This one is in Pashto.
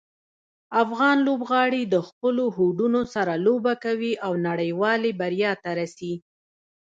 افغان لوبغاړي د خپلو هوډونو سره لوبه کوي او نړیوالې بریا ته رسي.